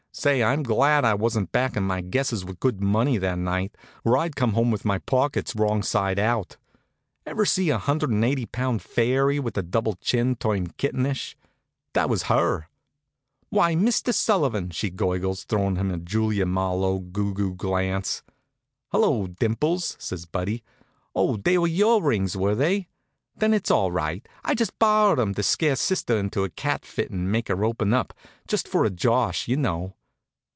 Say, I'm glad I wasn't backin' my guesses with good money that night, or I'd come home with my pockets wrong side out. Ever see a hundred and eighty pound fairy with a double chin turn kittenish? That was her. "Why, Mr. Sullivan!" she gurgles, throwin' him a Julia Marlowe goo goo glance. "Hello, Dimples!" says Buddy. "Oh, they were your rings, were they? Then it's all right. I just borrowed 'em to scare sister into a cat fit and make her open up just for a josh, you know."